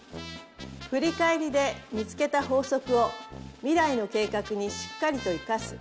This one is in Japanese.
振り返りで見つけた法則を未来の計画にしっかりと生かす。